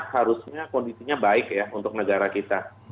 harusnya kondisinya baik ya untuk negara kita